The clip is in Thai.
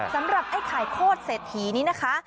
สำหรับไอ้ไข่โคตรเศรษฐีนี้นะคะ